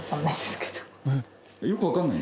よくわからない？